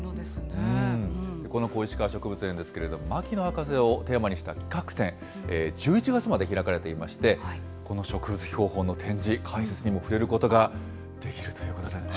この小石川植物園ですけれども、牧野博士をテーマにした企画展、１１月まで開かれていまして、この植物標本の展示、解説にも触れることができるということでね。